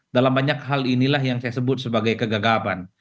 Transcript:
dalam banyak hal inilah yang saya sebut sebagai kegagapan